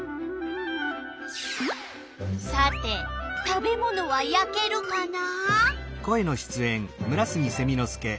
さて食べ物はやけるかな？